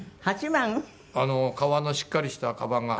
革のしっかりしたかばんが。